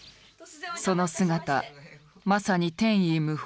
その姿まさに天衣無縫。